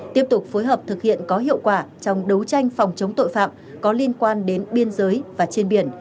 tiếp tục phối hợp thực hiện có hiệu quả trong đấu tranh phòng chống tội phạm có liên quan đến biên giới và trên biển